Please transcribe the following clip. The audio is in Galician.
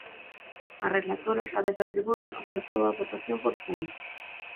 A relatora, xa desde a tribuna, ofertou a votación por puntos.